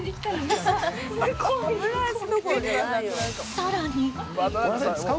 さらに。